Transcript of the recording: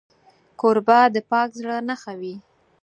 کوربه د پاک زړه نښه وي.